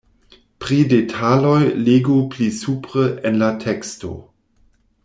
Pri detaloj legu pli supre en la teksto.